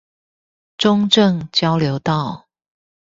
中正交流道